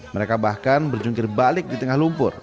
mereka bahkan berjungkir balik di tengah lumpur